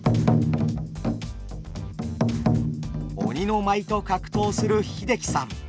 鬼の舞と格闘する英樹さん